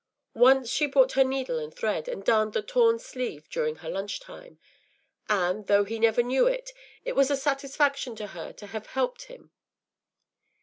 ” Once she brought her needle and thread, and darned the torn sleeve during her lunch time; and, though he never knew it, it was a satisfaction to her to have helped him.